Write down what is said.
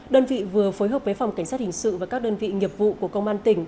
đơn vị vừa phối hợp với phòng cảnh sát hình sự và các đơn vị nghiệp vụ của công an tỉnh